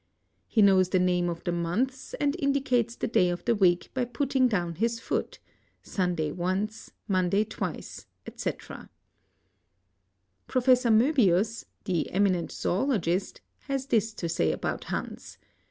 He knotre the names of. the months and Indicates the day of the w,eek by putting dpwn his foot. Sun* day once, Monday twice. &c. Prof. Moebius, the eminent zoologist has this to say about Hans